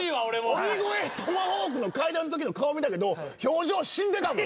鬼越トマホークの階段のときの顔見たけど表情死んでたもん。